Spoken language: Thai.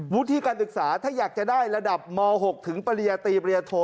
ที่การศึกษาถ้าอยากจะได้ระดับม๖ถึงปริญญาตรีปริยโท